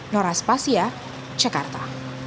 noras pasya jakarta